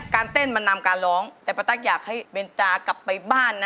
เต้นมันนำการร้องแต่ป้าตั๊กอยากให้เบนตากลับไปบ้านนะ